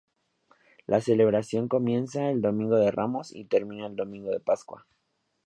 La celebración comienza el Domingo de Ramos y termina el Domingo de Pascua.